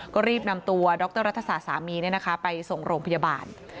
ก็รีบนำตัวดรรัฐศาสตร์สามีไปส่งโรงพยาบาล